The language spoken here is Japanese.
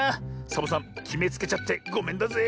サボさんきめつけちゃってごめんだぜ。